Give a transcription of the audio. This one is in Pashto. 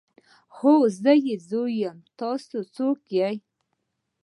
هو زه يې زوی يم تاسې څوک يئ.